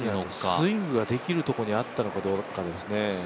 スイングができるところにあるかどうかですね。